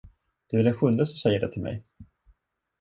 Du är den sjunde som säger det till mig.